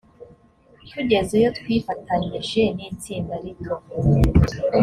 tugezeyo twifatanyije n itsinda rito